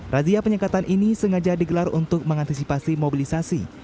razia penyekatan ini sengaja digelar untuk mengantisipasi mobilisasi